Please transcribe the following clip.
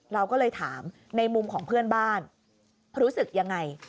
เราก็เลยถามในมุมของเพื่อนบ้านรู้สึกยังไง